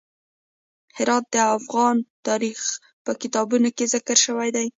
هرات د افغان تاریخ په کتابونو کې ذکر شوی دي.